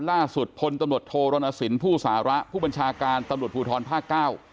ล่าสุดพลตำรวจโทรณสินผู้สาระผู้บัญชาการตำรวจภูทรภาคเก้า